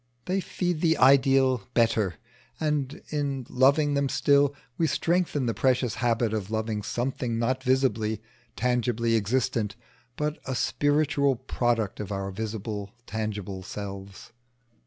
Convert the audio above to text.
They feed the ideal Better, and in loving them still, we strengthen the precious habit of loving something not visibly, tangibly existent, but a spiritual product of our visible tangible selves.